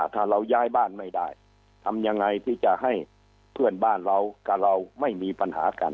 ถ้าเราย้ายบ้านไม่ได้ทำยังไงที่จะให้เพื่อนบ้านเรากับเราไม่มีปัญหากัน